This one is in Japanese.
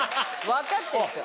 分かってんですよ。